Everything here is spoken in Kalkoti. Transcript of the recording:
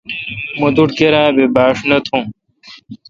مہ توٹھ کیرا بی باݭ نہ تھون۔